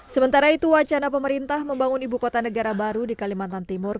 sementara itu wacana pemerintah membangun ibu kota negara baru di kalimantan timur